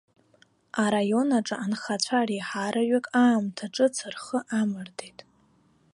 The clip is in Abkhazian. Араион аҿы анхацәа реиҳараҩык аамҭа ҿыц рхы амардеит.